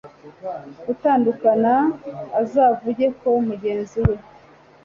gutandukana azavuge ko mugenzi we